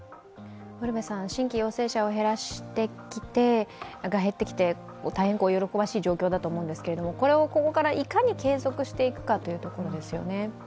新規陽性者が減ってきて大変喜ばしい状況だと思うんですけどこれをここからいかに継続していくかというところですよね。